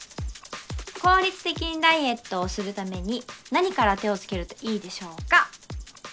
効率的にダイエットをするために何から手をつけるといいでしょうか？